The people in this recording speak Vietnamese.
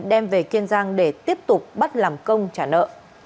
đem về kiên giang để tiếp tục bắt làm công trả nợ